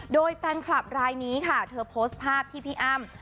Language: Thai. โดยแฟนคลับรายนี้ค่ะเธอโพสต์ภาพที่พี่อ้ำ